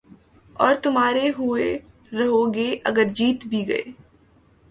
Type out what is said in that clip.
اور تُمہارے ہوئے رہو گے اگر جیت بھی گئے